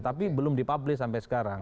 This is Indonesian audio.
tapi belum di publis sampai sekarang